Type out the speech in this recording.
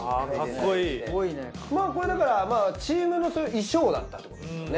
まあこれだからまあチームの衣装だったってことですよね。